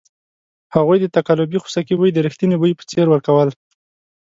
هغوی د تقلبي خوسکي بوی د ریښتني بوی په څېر ورکول.